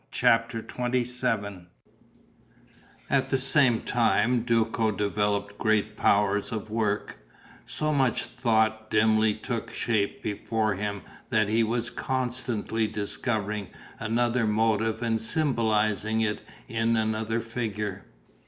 CHAPTER XXVII At the same time Duco developed great powers of work: so much thought dimly took shape before him that he was constantly discovering another motive and symbolizing it in another figure.